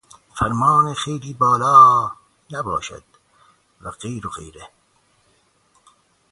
فرمان خیلی بالا نباشد و غیره و غیره.